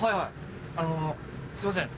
あのすいません